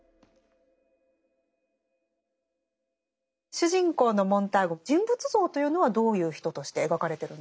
主人公のモンターグ人物像というのはどういう人として描かれてるんですか？